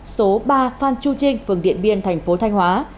số ba phan chu trinh phường điện biên thành phố thanh hóa